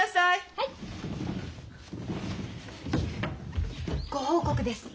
はい！ご報告です。